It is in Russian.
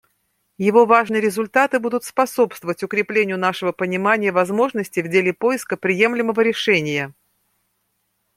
Его важные результаты будут способствовать укреплению нашего понимания возможностей в деле поиска приемлемого решения.